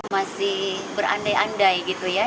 masih berandai andai gitu ya